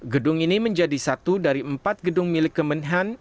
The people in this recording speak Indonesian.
gedung ini menjadi satu dari empat gedung milik kemenhan